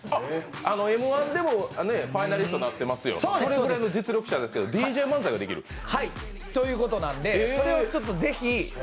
Ｍ−１でもファイナリストになっていますよね、それぐらいの実力者なのですけどＤＪ漫才ができる？ということなんで、それをぜひ。